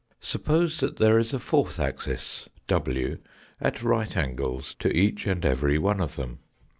Suppose that there is a fourth axis, w, at right angles to each and every one of them.